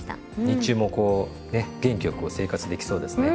日中もこうね元気よく生活できそうですね。